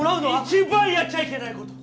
一番やっちゃいけない事！